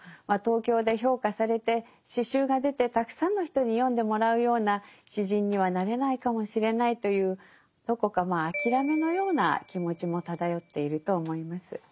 まあ東京で評価されて詩集が出てたくさんの人に読んでもらうような詩人にはなれないかもしれないというどこかあきらめのような気持ちも漂っていると思います。